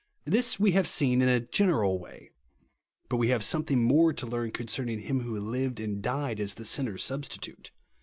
This we have seen in a general way. But we have something more to learn concern ing him who lived and died as the sinner's substitute.